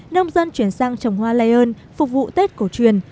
nông dân chuyển sang trồng hoa lion phục vụ tết cổ truyền